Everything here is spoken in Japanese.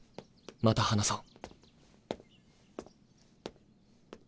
また話そう。